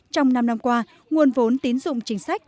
trong năm năm qua nguồn vốn tín dụng chính sách